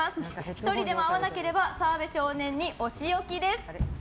１人でも合わなければ澤部少年にお仕置きです。